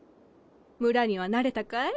村には慣れたかい？